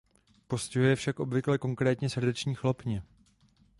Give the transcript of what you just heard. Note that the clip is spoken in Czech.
Postihuje však obvykle konkrétně srdeční chlopně.